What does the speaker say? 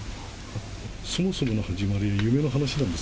そもそもの始まりは夢の話なんです。